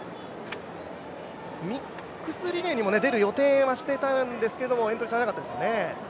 ミックスリレーにも出る予定をしていたんですけどエントリーされなかったですね。